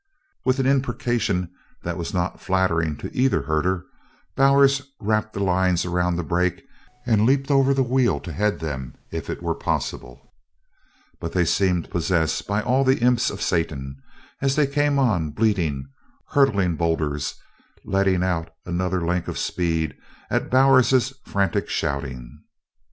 With an imprecation that was not flattering to either herder, Bowers wrapped the lines around the brake and leaped over the wheel to head them if it were possible. But they seemed possessed by all the imps of Satan, as they came on bleating, hurdling boulders, letting out another link of speed at Bowers's frantic shoutings.